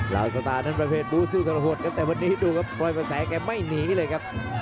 สตาร์นั้นประเภทบู้ซื่อกระหดครับแต่วันนี้ดูครับปล่อยกระแสแกไม่หนีเลยครับ